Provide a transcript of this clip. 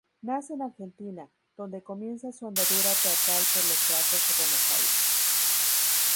Nace en Argentina, donde comienza su andadura teatral por los teatros de Buenos Aires.